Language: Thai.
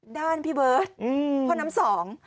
ด้านพี่เบิร์ตพ่อน้ำสอง